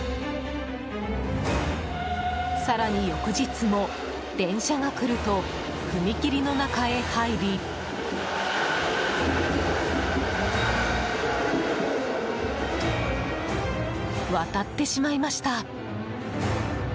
更に、翌日も電車が来ると踏切の中へ入り渡ってしまいました。